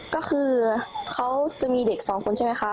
ก็คือเขาจะมีเด็กสองคนใช่ไหมคะ